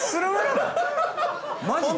マジで？